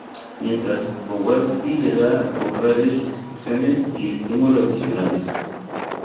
Mientras, Kowalski le da por radio sus instrucciones y estímulo adicionales.